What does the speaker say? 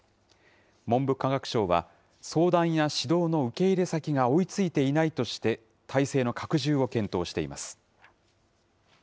文部科学省は、相談や指導の受け入れ先が追いついていないとして、体制の拡充を検討しています。